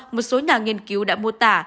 một số nhà nghiên cứu đã mô tả